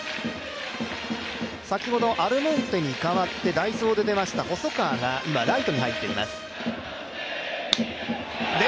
先ほどアルモンテに代わって代走で出ました細川が今ライトで入っています。